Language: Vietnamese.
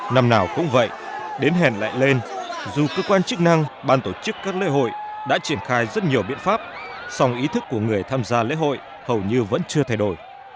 năm nào cũng vậy đến hẹn lại lên dù cơ quan chức năng ban tổ chức các lễ hội đã triển khai rất nhiều biện pháp song ý thức của người tham gia lễ hội hầu như vẫn chưa thay đổi